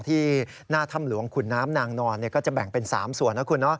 ที่หน้าถ้ำหลวงขุนน้ำนางนอนก็จะแบ่งเป็น๓ส่วนนะคุณ